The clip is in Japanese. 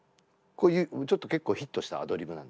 ちょっと結構ヒットしたアドリブなんですけど。